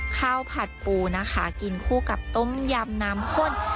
ผัดปูนะคะกินคู่กับต้มยำน้ำข้น